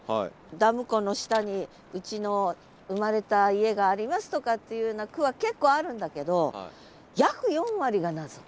ダム湖の下にうちの生まれた家がありますとかっていうような句は結構あるんだけど「約四割」が謎。